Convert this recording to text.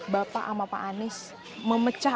bapak sama pak anies memecah